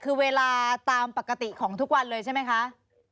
คือเวลาตามปกติของทุกวันเลยใช่ไหมคะ